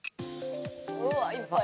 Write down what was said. うわいっぱい。